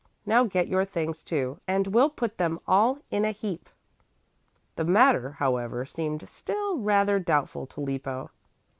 Now get your things, too, and we'll put them all in a heap." The matter, however, seemed still rather doubtful to Lippo.